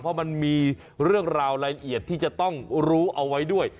เพราะมันมีเรื่องราวรายละเอียดที่จะต้องรู้เอาไว้ด้วย